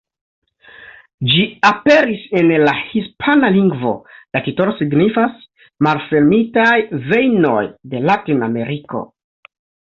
Ĝi aperis en la hispana lingvo, la titolo signifas: "Malfermitaj vejnoj de Latin-Ameriko".